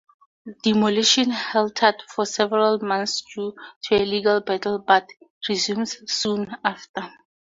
Demolition halted for several months due to a legal battle, but resumed soon after.